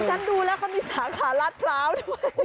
ฉันดูแล้วเขามีสาขาราชพร้าวด้วย